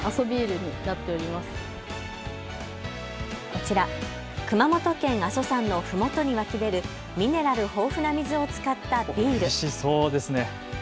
こちら、熊本県阿蘇山のふもとに湧き出るミネラル豊富な水を使ったビール。